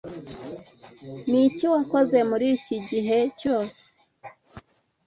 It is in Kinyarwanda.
Niki wakoze muri iki gihe cyose?